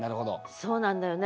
そうなんだよね